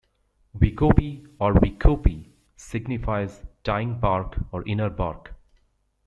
Wigobi or wicopy signifies "tying bark" or "inner bark".